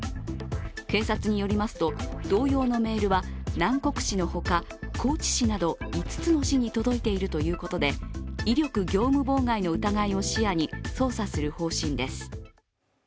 警察によりますと、同様のメールは南国市の他高知市など、５つの市に届いているということで威力業務妨害の疑いを視野に捜査する方針です。